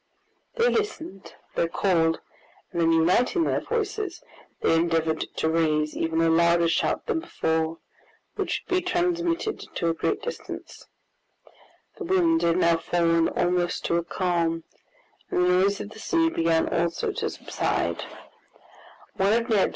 They listened, they called, and then uniting their voices, they endeavored to raise even a louder shout than before, which would be transmitted to a great distance. The wind had now fallen almost to a calm, and the noise of the sea began also to subside.